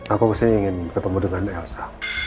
aku maksudnya ingin ketemu dengan elsa